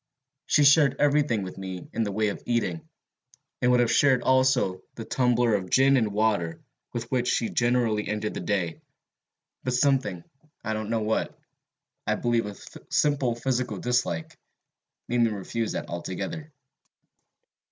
She shared every thing with me in the way of eating, and would have shared also the tumbler of gin and water with which she generally ended the day, but something, I don't know what, I believe a simple physical dislike, made me refuse that altogether.